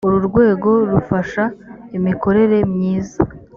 uru rwego rufasha imikorere myiza.